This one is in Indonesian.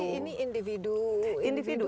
jadi ini individu